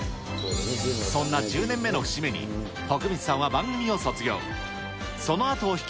そんな１０年目の節目に、徳光さんは番組を卒業。